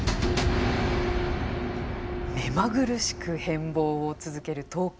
目まぐるしく変貌を続ける東京。